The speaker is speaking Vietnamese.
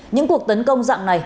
những cuộc tấn công dạng này